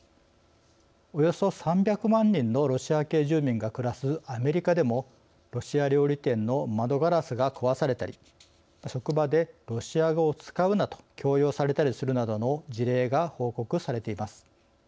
およそ３００万人のロシア系住民が暮らすアメリカでも、ロシア料理店の窓ガラスが壊されたり職場で「ロシア語を使うな」と強要されたりするなどの事例が報告されています。